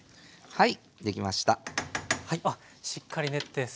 はい。